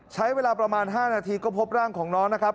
ใช้เวลาประมาณ๕นาทีก็พบร่างของน้องนะครับ